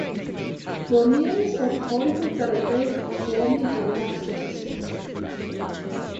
Fermions are particles that obey Fermi-Dirac statistics.